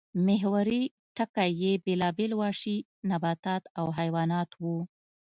محوري ټکی یې بېلابېل وحشي نباتات او حیوانات وو